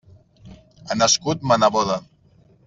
Ha nascut ma neboda.